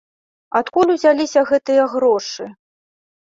Адкуль узяліся гэтыя грошы?